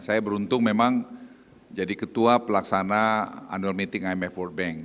saya beruntung memang jadi ketua pelaksana annual meeting imf world bank